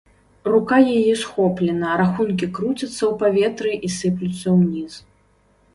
Рука яе схоплена, рахункі круцяцца ў паветры і сыплюцца ўніз.